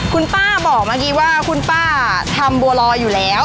คุณป้าบอกเมื่อกี้ว่าคุณป้าทำบัวลอยอยู่แล้ว